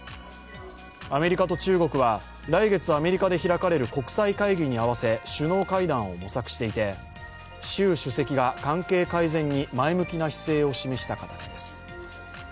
アメリカと中国は来月アメリカで開かれる国際会議に合わせ首脳会談を模索していて習主席が関係改善に前向きな姿勢を示した形です。